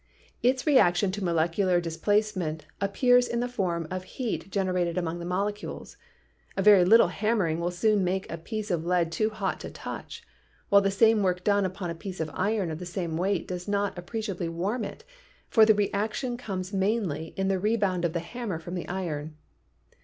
Its reaction to molecular dis placement appears in the form of heat generated among the molecules. A very little hammering will soon make a piece of lead too hot to touch, while the same work done upon a piece of iron of the same weight does not appre ciably warm it, for the reaction comes mainly in the re bound of the hammer from the iron.